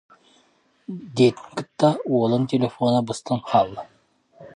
диэтин кытта уолун телефона быстан хаалла